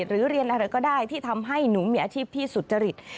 เรียนอะไรก็ได้ที่ทำให้หนูมีอาชีพที่สุจริต